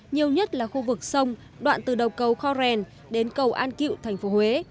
nhiều nhất là khu vực sông đoạn từ đầu cầu khorren đến cầu an cựu thành phố huế